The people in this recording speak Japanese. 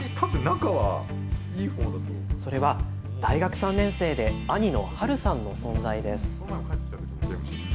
それは大学３年生で兄の晴さんの存在です。